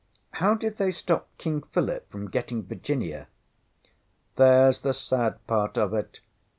How did they stop King Philip from getting Virginia? ŌĆÖ ŌĆśThereŌĆÖs the sad part of it.